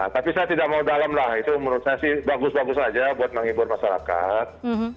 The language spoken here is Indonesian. tapi saya tidak mau dalam lah itu menurut saya sih bagus bagus saja buat menghibur masyarakat